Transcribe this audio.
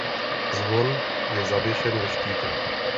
Zvon je zavěšen ve štítu.